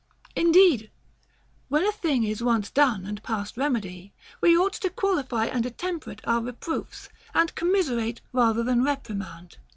Indeed, when a thing is once done and past remedy, we ought to qualify and attemperate our reproofs, and commis erate rather than reprimand.